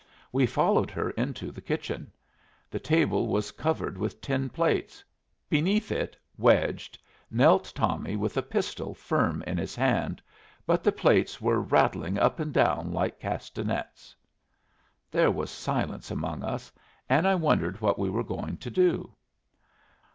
We followed her into the kitchen. The table was covered with tin plates. Beneath it, wedged knelt Tommy with a pistol firm in his hand; but the plates were rattling up and down like castanets. There was a silence among us, and I wondered what we were going to do.